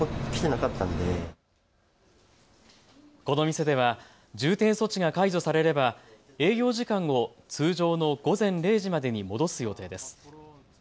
この店では重点措置が解除されれば営業時間を通常の午前０時までに戻す予定です。